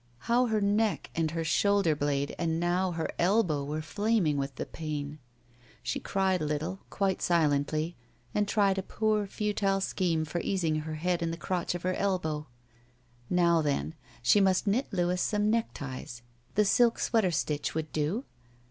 How her neck and her shoulder blade and now her elbow were flaming with the pain. She cried a 33 SHE WALKS IN BEAUTY little, quite silently, and tried a poor, futile scheme for easing her head in the crotch of her elbow. Now then: She must knit Louis some neckties. The silk sweater stitch would do.